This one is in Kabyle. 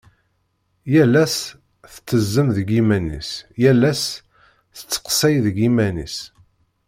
Yal ass tettezzem deg yiman-is, yal ass testeqsay deg yiman-is.